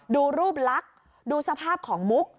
ดูรูปลักษณ์ดูสภาพของมุก